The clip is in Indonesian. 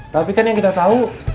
tapi kan yang kita tahu